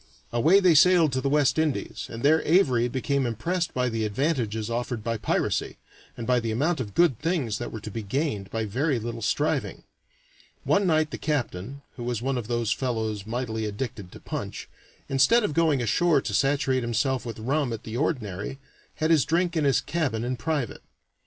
Away they sailed to the West Indies, and there Avary became impressed by the advantages offered by piracy, and by the amount of good things that were to be gained by very little striving. One night the captain (who was one of those fellows mightily addicted to punch), instead of going ashore to saturate himself with rum at the ordinary, had his drink in his cabin in private.